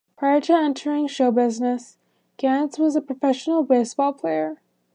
Prior to entering show business, Gans was a professional baseball player.